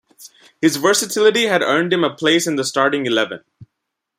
His versatility has earned him a place in the starting eleven.